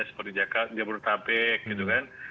seperti jabodetabek gitu kan